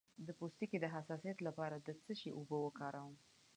د پوستکي د حساسیت لپاره د څه شي اوبه وکاروم؟